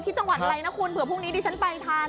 จังหวัดอะไรนะคุณเผื่อพรุ่งนี้ดิฉันไปทัน